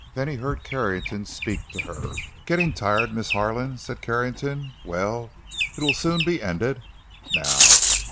Then he heard Carrington speak to her. "Getting tired, Miss Harlan?" said Carrington. "Well, it will soon be ended, now.